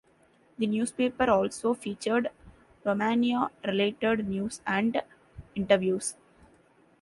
The newspaper also featured Romania-related news and interviews.